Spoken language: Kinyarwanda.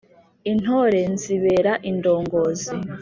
Intore nzibera indongozi.